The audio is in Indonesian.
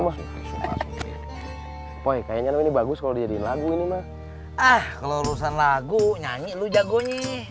mah boy kayaknya ini bagus kalau jadi lagu ini mah ah kelulusan lagu nyanyi lu jago nih